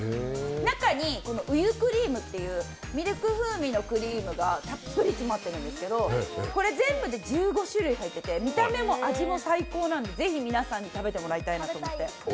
中にウユクリームっていうミルク風味のクリームが詰まってるんですけどこれ全部で１５種類入ってて、見た目も味も最高なので、ぜひ皆さんに食べてもらいたいなと思って。